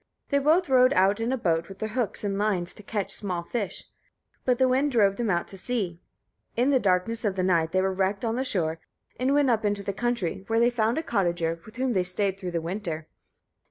They both rowed out in a boat, with their hooks and lines, to catch small fish; but the wind drove them out to sea. In the darkness of the night they were wrecked on the shore, and went up into the country, where they found a cottager, with whom they stayed through the winter.